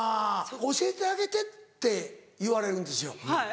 「教えてあげて」って言われるんですよ。